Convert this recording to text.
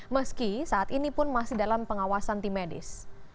meski saat ini pun masih dalam pengawasan tim medis